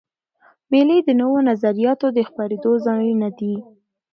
مېلې د نوو نظریاتو د خپرېدو ځایونه دي.